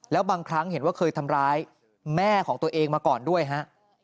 แล้วบางครั้งเห็นว่าเคยทำร้ายแม่ของตัวเองมาก่อนด้วยฮะ